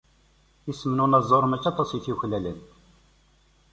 Isem n unaẓur mačči aṭṭas i t-yuklalen.